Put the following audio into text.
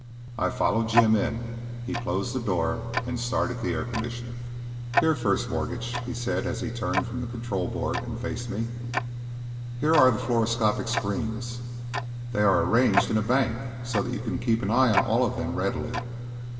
I followed Jim in; he closed the door and started the air conditioner. "Here, First Mortgage," he said as he turned from the control board and faced me, "here are the fluoroscopic screens. They are arranged in a bank, so that you can keep an eye on all of them readily.